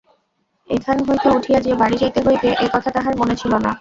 এখান হইতে উঠিয়া যে বাড়ি যাইতে হইবে এ কথা তাহার মনে ছিল না।